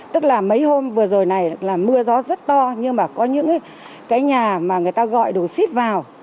tức là mấy hôm vừa rồi này là mưa gió rất to nhưng mà có những cái nhà mà người ta gọi đồ xít vào